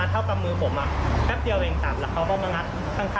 แป๊บเดียวเองตามแล้วเขาก็มางัดข้างข้างเนี้ยครับติดเต็มเลยแป๊บแป๊บประมาณครึ่งชั่วโมงอ่ะครับ